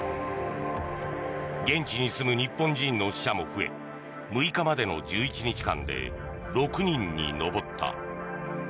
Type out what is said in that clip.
現地に住む日本人の死者も増え６日までの１１日間で６人に上った。